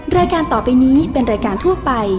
รายการต่อไปนี้เป็นรายการทั่วไป